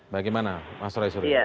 bagaimana mas rai suri